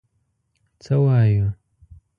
څه وایو.